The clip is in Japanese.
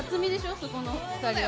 そこの２人は。